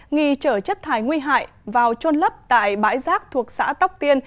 nghi trở chất thải nguy hại vào trôn lấp tại bãi giác thuộc xã tóc tiên